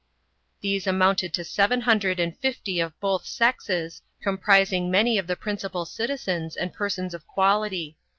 These amounted to seven hundred and fifty of both sexes, comprising many of the principal citizens and persons of quality.